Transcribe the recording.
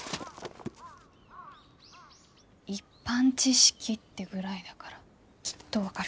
一般知識ってぐらいだからきっと分かる。